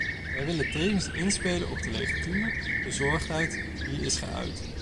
Wij willen tevens inspelen op de legitieme bezorgdheid die is geuit.